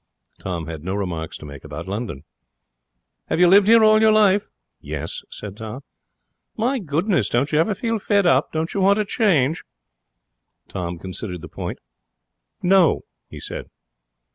Tom had no remarks to make about London. 'Have you lived here all your life?' 'Yes,' said Tom. 'My goodness! Don't you ever feel fed up? Don't you want a change?' Tom considered the point. 'No,' he said.